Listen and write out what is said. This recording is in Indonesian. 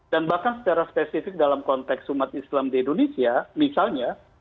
dan bahkan secara spesifik dalam konteks umat islam di indonesia misalnya